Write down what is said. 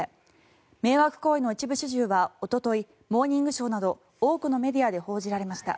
迷惑行為の一部始終はおととい「モーニングショー」など多くのメディアで報じられました。